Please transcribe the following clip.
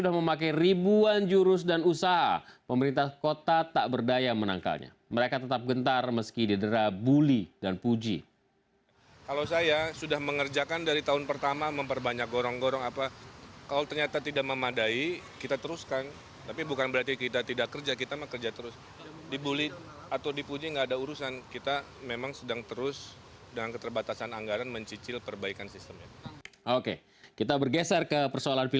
harinya saya mendapatkan sebuah kepercayaan